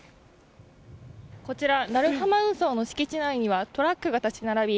こちら、鳴浜運送の敷地内にはトラックが立ち並び